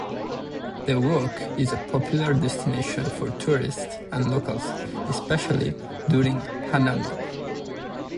The walk is a popular destination for tourists and locals, especially during hanami.